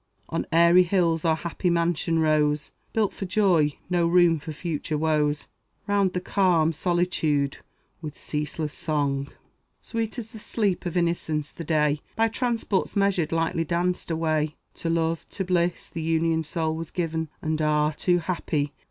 On airy hills our happy mansion rose, Built but for joy no room for future woes. Round the calm solitude with ceaseless song, Sweet as the sleep of innocence the day, By transports measured, lightly danced away; To love, to bliss, the unioned soul was given, And ah, too happy!